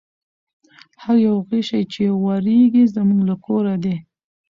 هر یو غشی چي واریږي زموږ له کور دی